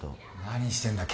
何してんだ。